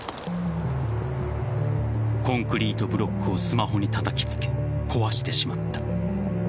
コンクリートブロックをスマホにたたきつけ壊してしまった。